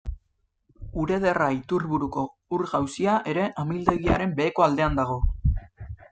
Urederra iturburuko ur-jauzia ere amildegiaren beheko aldean dago.